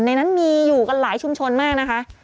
ในนั้นมีอยู่กันหลายชุมชนมากนะคะ